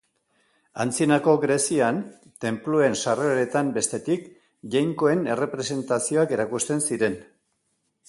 Antzinako Grezian, tenpluen sarreretan, bestetik, jainkoen errepresentazioak erakusten ziren.